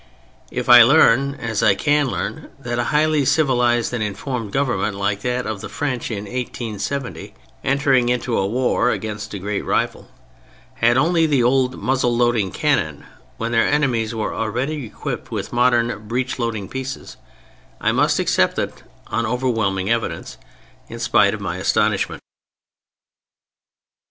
If I learn, as I can learn, that a highly civilized and informed government like that of the French in 1870, entering into a war against a great rival, had only the old muzzle loading cannon when their enemies were already equipped with modern breech loading pieces, I must accept it on overwhelming evidence, in spite of my astonishment.